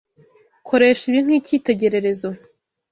Koresha ibi nkicyitegererezo.